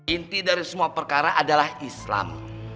inti dari semua perkara adalah islam